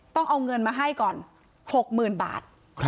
ต้องเอาเงินมาให้ก่อน๖๐๐๐บาท